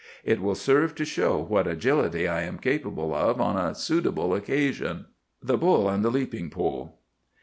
It will serve to show what agility I am capable of on a suitable occasion. THE BULL AND THE LEAPING POLE.